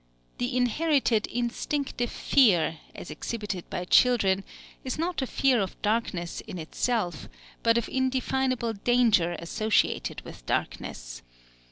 The inherited, instinctive fear, as exhibited by children, is not a fear of darkness in itself, but of indefinable danger associated with darkness.